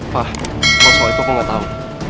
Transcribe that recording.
pak kalau soal itu aku nggak tahu